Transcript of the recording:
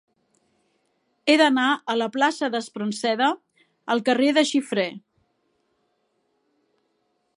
He d'anar de la plaça d'Espronceda al carrer de Xifré.